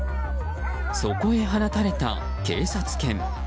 そこへ放たれた警察犬。